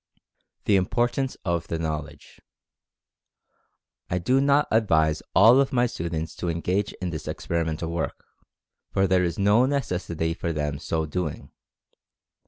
THE IMPORTANCE OF THE KNOWLEDGE. I do not advise all of my students to engage in this experimental work, for there is no necessity for them so doing.